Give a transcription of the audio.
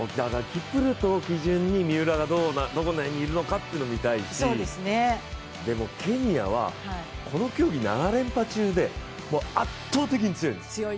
キプルトを基準に三浦がどうなるのか見たいしケニアは、この競技７連覇中で圧倒的に強いんです。